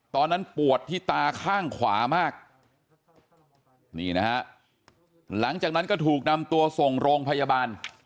ตอนนั้นปวดที่ตาข้างขวามากนี่นะฮะหลังจากนั้นก็ถูกนำตัวส่งโรงพยาบาล